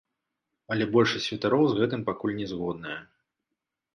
Але большасць святароў з гэтым пакуль не згодная.